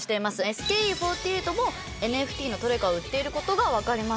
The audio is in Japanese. ＳＫＥ４８もＮＦＴのトレカを売っていることが分かりました。